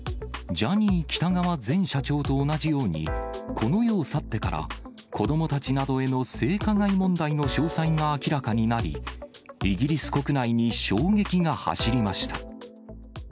ジャニー喜多川前社長と同じように、この世を去ってから、子どもたちなどへの性加害問題の詳細が明らかになり、イギリス国内に衝撃が走りました。